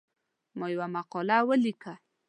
ما یوه مقاله ولیکله.